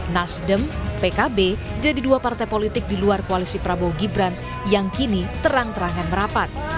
nasdem pkb jadi dua partai politik di luar koalisi prabowo gibran yang kini terang terangan merapat